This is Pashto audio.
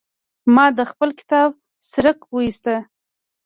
ما د خپل کتاب څرک ويوست.